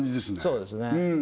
そうですね